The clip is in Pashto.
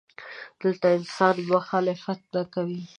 دلته انسانان مخالفت نه کوي.